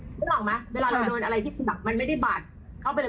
ไม่รู้หรอกไหมเวลาเราโดนอะไรที่มันไม่ได้บัดเข้าไปเลย